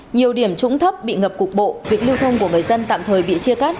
nhiều điểm trũng thấp bị ngập cục bộ việc lưu thông của người dân tạm thời bị chia cắt